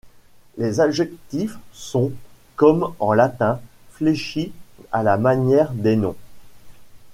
Les adjectifs sont, comme en latin, fléchis à la manière des noms.